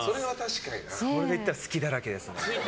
それでいったら隙だらけですね。